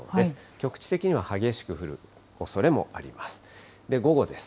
局地的には激しく降るおそれもあります。